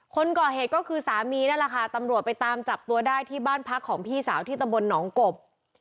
คนก่อเหตุก็คือสามีนั่นแหละค่ะตำรวจไปตามจับตัวได้ที่บ้านพักของพี่สาวที่ตำบลหนองกบ